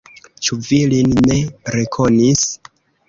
Ĉu vi lin ne rekonis?